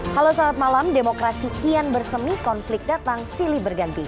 halo selamat malam demokrasi kian bersemi konflik datang silih berganti